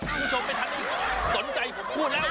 คุณผู้ชมเป็นทางที่สนใจพูดแล้ว